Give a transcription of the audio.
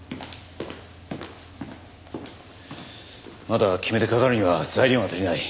まだ決めてかかるには材料が足りない。